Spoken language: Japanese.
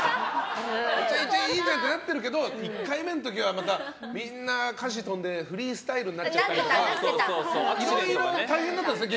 いいじゃんってなってるけど１回目の時はみんな歌詞飛んでフリースタイルになっちゃったりいろいろ大変だったんですよね